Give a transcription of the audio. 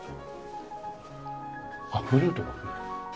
あっフルートだ。